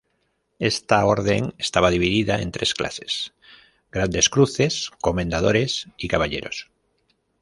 Esta orden estaba dividida en tres clases: grandes cruces, comendadores y caballeros.